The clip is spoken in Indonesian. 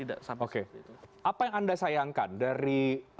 apa yang anda sayangkan dari